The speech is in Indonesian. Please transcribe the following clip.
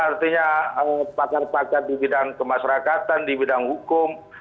artinya pakar pakar di bidang kemasyarakatan di bidang hukum